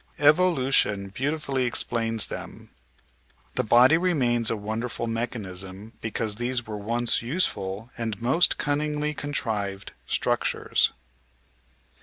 Evolution beautifully explains them. The body remains a wonderful mechanism because these were once useful and most cunningly contrived structures.